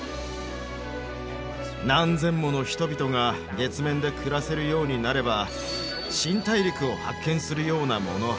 何千もの人々が月面で暮らせるようになれば新大陸を発見するようなもの。